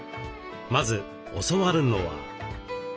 まず教わるのは。